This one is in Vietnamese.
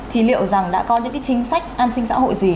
thì liệu rằng đã có những cái chính sách an sinh xã hội gì